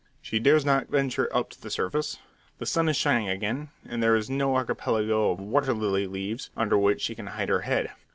She dares not venture up to the surface. The sun is shining again, and there is no archipelago of water lily leaves under which she can hide her head.